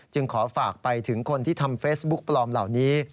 ขอฝากไปถึงคนที่ทำเฟซบุ๊กปลอมเหล่านี้